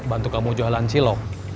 bantu kamu jualan cilok